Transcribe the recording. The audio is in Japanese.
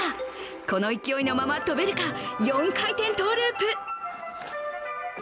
この勢いのまま跳べるか４回転トゥループ。